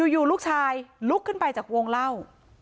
อยู่ลูกชายลุกขึ้นไปจากวงเล่า